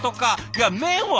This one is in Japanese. いや麺は？